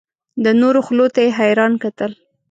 د نورو خولو ته یې حیران کتل.